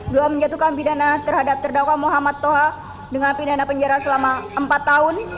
dua menjatuhkan pidana terhadap terdakwa muhammad toha dengan pidana penjara selama empat tahun